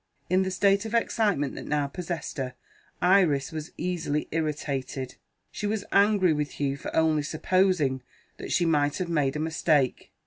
In the state of excitement that now possessed her, Iris was easily irritated; she was angry with Hugh for only supposing that she might have made a mistake.